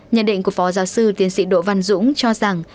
nhận định của phó giáo sư tiến sĩ đỗ văn dũng cho rằng